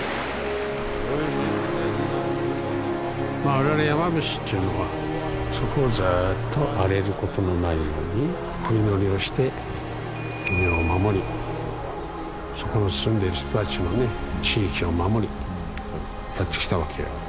我々山伏っていうのはそこをずっと荒れることのないようにお祈りをして国を守りそこに住んでいる人たちのね地域を守りやってきたわけよ。